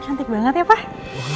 cantik banget ya pak